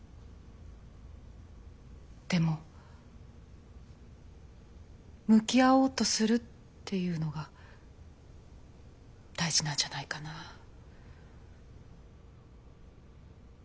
でも向き合おうとするっていうのが大事なんじゃないかなあ。